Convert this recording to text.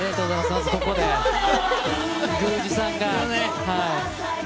まずここで神宮寺さんが。